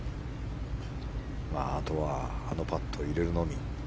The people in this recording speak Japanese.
あとはあのパットを入れるのみ。